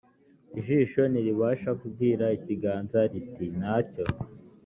ijisho ntiribasha kubwira ikiganza riti nta cyo